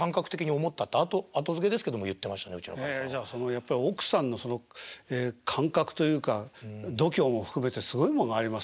やっぱり奥さんのその感覚というか度胸も含めてすごいもんがありますね。